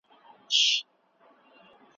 د انګورو په باغ کې د اوبو وړه ویاله بهیږي.